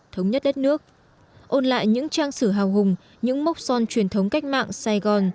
thống nhất đất nước ôn lại những trang sử hào hùng những mốc son truyền thống cách mạng sài gòn